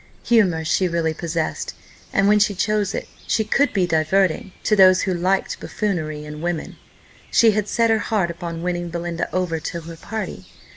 Humour she really possessed; and when she chose it, she could be diverting to those who like buffoonery in women. She had set her heart upon winning Belinda over to her party.